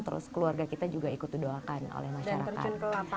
terus keluarga kita juga ikut didoakan oleh masyarakat